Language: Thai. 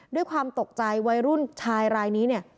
ด้วยความตกใจวัยรุ่นชายรายนี้เนี่ย